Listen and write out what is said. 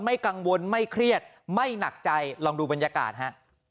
ไม่กังวลไม่เครียดไม่หนักใจลองดูบรรยากาศฮะ